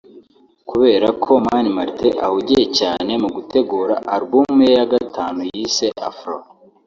Kubera ko Mani Martin ahugiye cyane mu gutegura album ye ya gatanu yise’ Afro’